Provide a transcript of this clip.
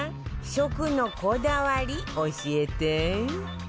食のこだわり教えて